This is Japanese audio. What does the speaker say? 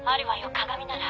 鏡なら。